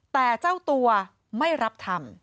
แต่เจ้าตัวไม่รับทำ